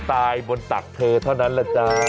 ตายบนตักเธอเท่านั้นแหละจ๊ะ